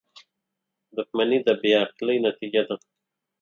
• دښمني د بې عقلۍ نتیجه ده.